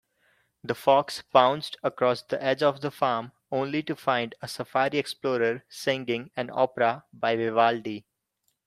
The fox pounced across the edge of the farm, only to find a safari explorer singing an opera by Vivaldi.